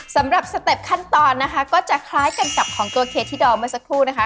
สำหรับสเต็ปขั้นตอนนะคะก็จะคล้ายกันกับของตัวเค้ที่ดองเมื่อสักครู่นะคะ